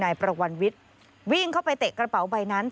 ประวันวิทย์วิ่งเข้าไปเตะกระเป๋าใบนั้น